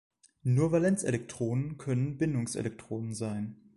Nur Valenzelektronen können Bindungselektronen sein.